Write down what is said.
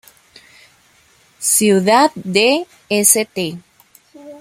Ciudad de St.